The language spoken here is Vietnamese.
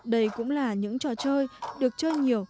đây cũng là những trò chơi được chơi nhiều